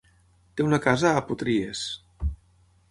Té una casa a Potries.